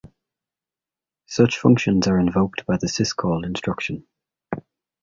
Such functions are invoked by the syscall-instruction.